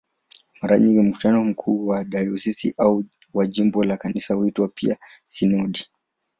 Mara nyingi mkutano mkuu wa dayosisi au wa jimbo la Kanisa huitwa pia "sinodi".